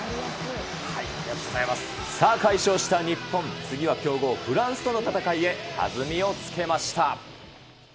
さあ、快勝した日本、次は強豪フランスとの戦いへ、弾みをつけました。